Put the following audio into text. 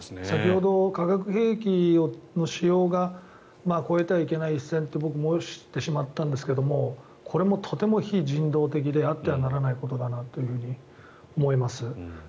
先ほど化学兵器の使用が越えてはいけない一線と申してしまったんですがこれもとても非人道的であってはならないことだなと思います。